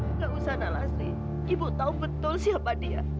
nggak usah nalasi ibu tahu betul siapa dia